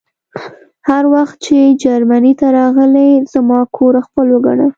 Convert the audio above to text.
هر وخت چې جرمني ته راغلې زما کور خپل وګڼه